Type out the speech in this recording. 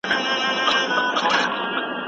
په انارو بار اوښان زه یې څاروان یم